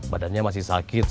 badannya masih sakit